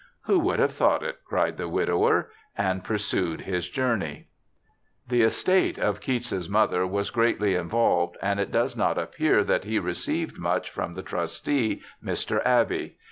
" Who would have thought it !" cried the widower, and pursued his journey.' The estate of Keats's mother was greatly involved, and it does not appear that he received much from the JOHN KEATS 49 trustee, Mr. Abbey.